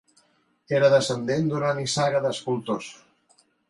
Era descendent d'una nissaga d'escultors.